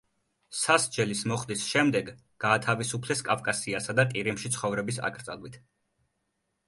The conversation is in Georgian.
სასჯელის მოხდის შემდეგ გაათავისუფლეს კავკასიასა და ყირიმში ცხოვრების აკრძალვით.